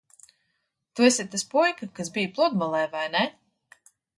Tu esi tas puika, kas bija pludmalē, vai ne?